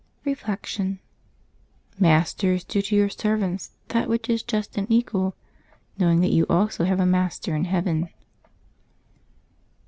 Reflection. —" Masters, do to your servants that which is just and equal, knowing that you also have a Master in heaven."